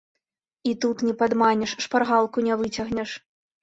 І тут не падманеш, шпаргалку не выцягнеш.